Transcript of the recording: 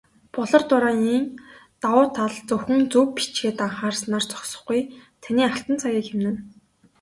"Болор дуран"-ийн давуу тал зөвхөн зөв бичихэд анхаарснаар зогсохгүй, таны алтан цагийг хэмнэнэ.